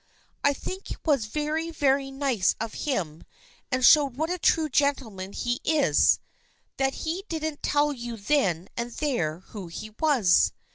I think it was very, very nice of him, and showed what a true gentleman he is, that he didn't tell you then and there who he was.